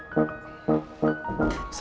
saya mau spokesek